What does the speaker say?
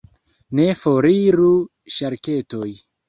Ne, foriru ŝarketoj!